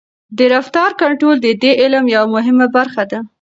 د رفتار کنټرول د دې علم یوه مهمه برخه ده.